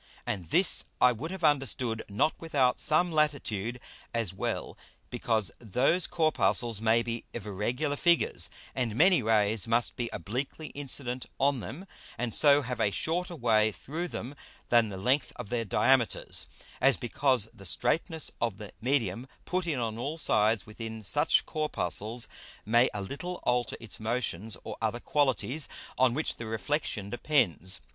And this I would have understood not without some Latitude, as well because those Corpuscles may be of irregular Figures, and many Rays must be obliquely incident on them, and so have a shorter way through them than the length of their Diameters, as because the straitness of the Medium put in on all sides within such Corpuscles may a little alter its Motions or other qualities on which the Reflexion depends.